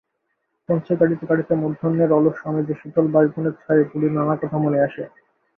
কঞ্চি কাটিতে কাটিতে মধ্যাহ্নের অলস আমেজে শীতল বাঁশবনের ছায়ায় বুড়ির নানা কথা মনে আসে।